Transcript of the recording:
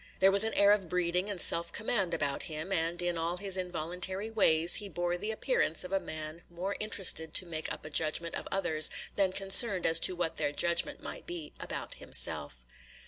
There was an air of breeding and self command about him; and in all his involuntary ways he bore the appearance of a man more interested to make up a judgment of others than concerned as to what their judgment might be about himself.